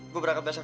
gue berangkat besok